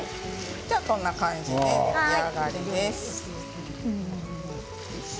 こんな感じで出来上がりです。